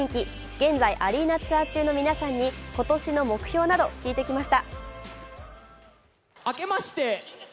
現在、アリーナツアー中の皆さんに今年の目標など聞いてきました。